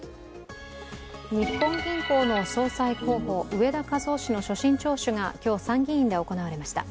日本銀行の総裁候補、植田和男氏の所信聴取が今日、参議院で行われました。